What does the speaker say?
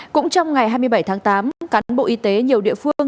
cũng trong ngày hai mươi bảy tháng tám cán bộ y tế nhiều địa phương